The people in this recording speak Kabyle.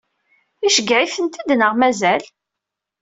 Iceggeɛ-itent-id neɣ mazal?